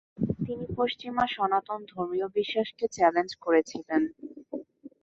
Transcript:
তিনি পশ্চিমা সনাতন ধর্মীয় বিশ্বাস কে চ্যালেঞ্জ করেছিলেন।